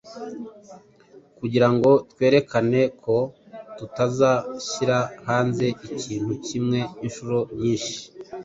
kugira ngo twerekane ko tutazashyira hanze ikintu kimwe inshuro nyinshi.